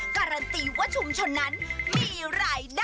การันตีว่าชุมชนนั้นมีรายได้